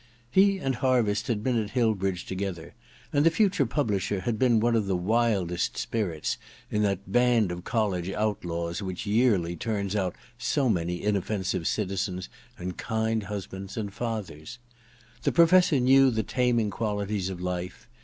He and Harviss had been at Hillbridge together, and the future publisher had been one of the wildest spirits in that band of college outlaws which yearly turns out so many inoflFensive citizens and kind husbands and fathers. The Professor knew the taming qualities of life.